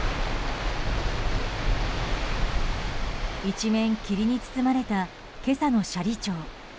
一面霧に包まれた今朝の斜里町。